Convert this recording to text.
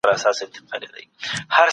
دولت باید له احتکار سره کلکه مبارزه وکړي.